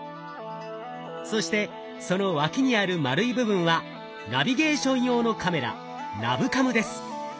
そしてその脇にある丸い部分はナビゲーション用のカメラナブカムです。